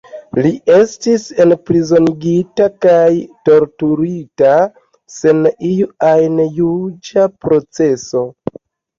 Li estis enprizonigita kaj torturita, sen iu ajn juĝa proceso.